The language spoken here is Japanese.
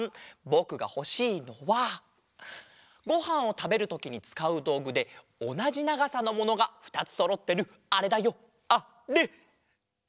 ぼくがほしいのはごはんをたべるときにつかうどうぐでおなじながさのものがふたつそろってるあれだよあれ！